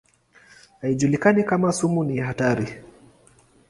Haijulikani kama sumu ni hatari.